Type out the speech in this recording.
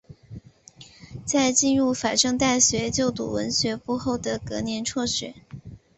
在进入法政大学就读文学部后的隔年辍学。